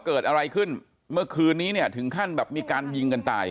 เกิดอะไรขึ้นเมื่อคืนนี้เนี่ยถึงขั้นแบบมีการยิงกันตาย